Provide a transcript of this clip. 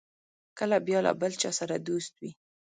کله بیا له بل چا سره دوست وي.